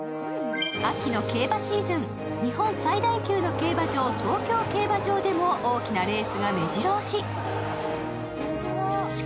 秋の競馬シーズン、日本最大級の競馬場、東京競馬場でも大きなレースがめじろ押し。